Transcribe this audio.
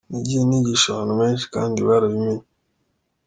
Nagiye nigisha abantu benshi kandi barabimenye.